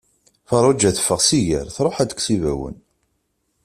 Farruǧa teffeɣ s iger, truḥ ad d-tekkes ibawen.